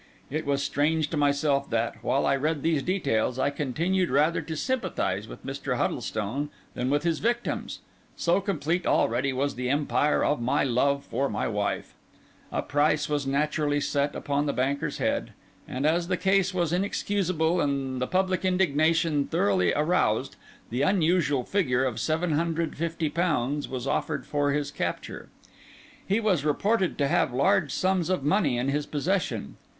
It was strange to myself that, while I read these details, I continued rather to sympathise with Mr. Huddlestone than with his victims; so complete already was the empire of my love for my wife. A price was naturally set upon the banker's head; and, as the case was inexcusable and the public indignation thoroughly aroused, the unusual figure of £750 was offered for his capture. He was reported to have large sums of money in his possession.